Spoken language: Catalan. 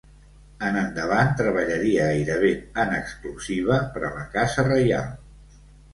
En endavant treballaria gairebé en exclusiva per a la casa reial.